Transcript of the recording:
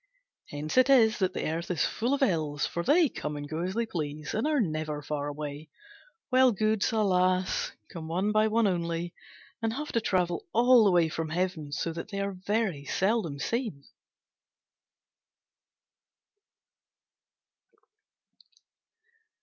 Hence it is that the earth is full of Ills, for they come and go as they please and are never far away; while Goods, alas! come one by one only, and have to travel all the way from heaven, so that they are very seldom seen.